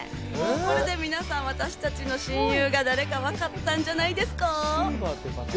これでもう私たちの親友が誰かわかったんじゃないですか？